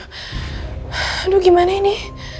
aduh gimana ini